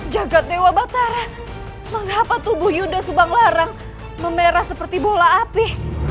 jagad dewa batara mengapa tubuh yuda subanglarang memerah seperti bola api